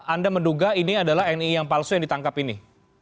anda menduga ini adalah nii yang palsu yang ditangkap ini